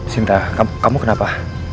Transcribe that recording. sinta kamu kenapa